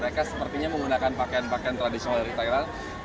mereka sepertinya menggunakan pakaian pakaian tradisional dari thailand